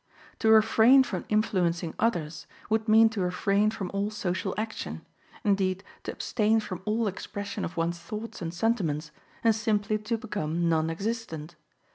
To refrain from influencing others, would mean to refrain from all social action, indeed to abstain from all expression of one's thoughts and sentiments, and simply to become non existent.